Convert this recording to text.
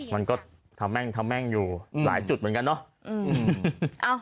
มันก็ทำแม่งอยู่หลายจุดเหมือนกันเนาะ